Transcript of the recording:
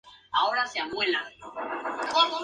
Las flores son terminales, generalmente en racimos.